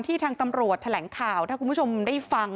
ทางตำรวจแถลงข่าวถ้าคุณผู้ชมได้ฟัง